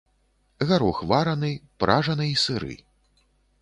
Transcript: Гарох вараны, пражаны і сыры.